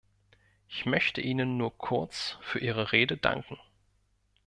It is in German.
Ich möchte Ihnen nur kurz für Ihre Rede danken.